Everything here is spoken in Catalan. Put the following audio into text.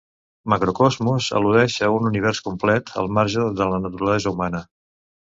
Macrocosmos al·ludeix a un univers complet, al marge de la naturalesa humana.